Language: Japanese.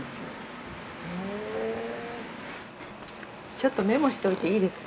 ちょっとメモしといていいですか？